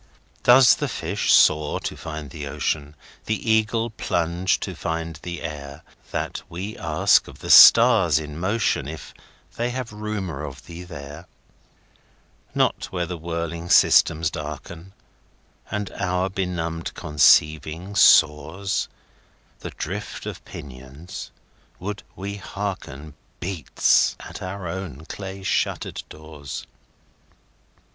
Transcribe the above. Does the fish soar to find the ocean, The eagle plunge to find the air—That we ask of the stars in motionIf they have rumour of thee there? Not where the wheeling systems darken, And our benumbed conceiving soars!—The drift of pinions, would we hearken, Beats at our own clay shuttered doors.